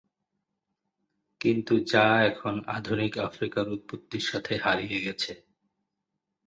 কিন্তু যা এখন আধুনিক আফ্রিকার উৎপত্তির সাথে হারিয়ে গেছে।